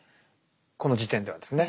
この時点ではですね。